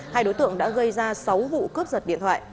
hai đối tượng đã gây ra sáu vụ cướp giật điện thoại